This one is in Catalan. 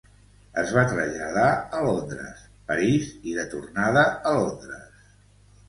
Es va traslladar a Londres, París i de tornada a Londres.